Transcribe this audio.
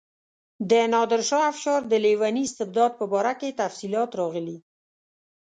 د نادرشاه افشار د لیوني استبداد په باره کې تفصیلات راغلي.